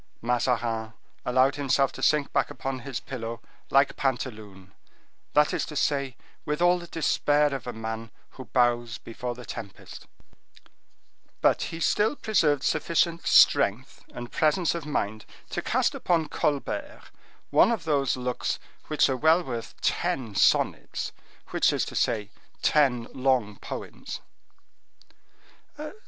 Mazarin allowed himself to sink back upon his pillow like Pantaloon; that is to say, with all the despair of a man who bows before the tempest; but he still preserved sufficient strength and presence of mind to cast upon Colbert one of those looks which are well worth ten sonnets, which is to say, ten long poems.